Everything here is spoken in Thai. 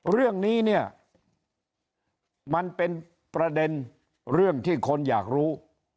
เรื่องนี้เนี่ยมันเป็นประเด็นเรื่องที่คนอยากรู้